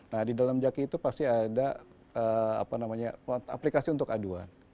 nah di dalam jaki itu pasti ada aplikasi untuk aduan